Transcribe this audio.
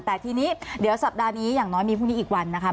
แต่ทีนี้เดี๋ยวสัปดาห์นี้อย่างน้อยมีพรุ่งนี้อีกวันนะคะ